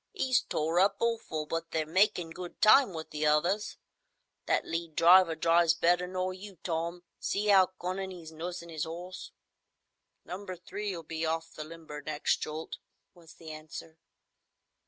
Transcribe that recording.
"'E's tore up awful, but they're makin' good time with the others. That lead driver drives better nor you, Tom. See 'ow cunnin' 'e's nursin' 'is 'orse." "Number Three'll be off the limber, next jolt," was the answer.